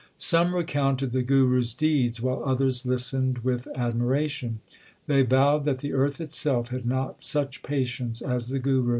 Some recounted the Guru s deeds, while others listened with admira tion. They vowed that the earth itself had not such patience as the Guru.